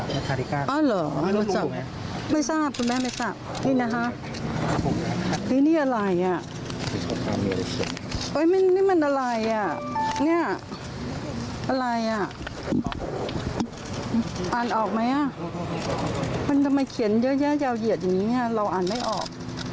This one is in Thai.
ไม่ทราบคุณแม่ไม่ทราบนี่นะฮะนี่อะไรนี่มันอะไรอ่ะอ่านออกไหมมันทำไมเขียนเยอะยาวเหยียดอย่างนี้เราอ่านไม่ออก